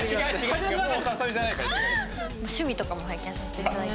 趣味とかも拝見させていただいて。